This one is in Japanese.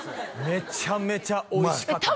めちゃめちゃおいしかったです